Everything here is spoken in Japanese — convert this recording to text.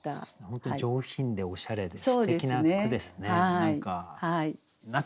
本当に上品でおしゃれですてきな句ですね。